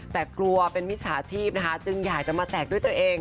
แต่กลัวเป็นมิจฉาชีพนะคะจึงอยากจะมาแจกด้วยตัวเอง